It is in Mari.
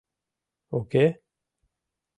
Уке?